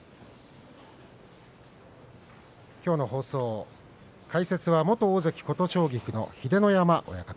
きょうの放送解説は元大関琴奨菊の秀ノ山親方。